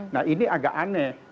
nah ini agak aneh